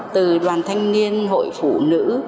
từ đoàn thanh niên hội phụ nữ